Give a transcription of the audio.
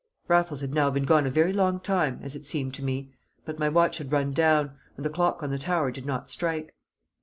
Raffles had now been gone a very long time, as it seemed to me, but my watch had run down, and the clock on the tower did not strike.